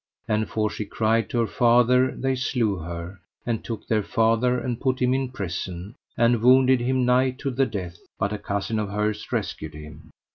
And for she cried to her father they slew her, and took their father and put him in prison, and wounded him nigh to the death, but a cousin of hers rescued him.